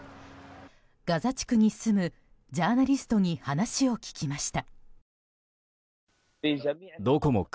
ガザ地区に住むジャーナリストに話を聞きました。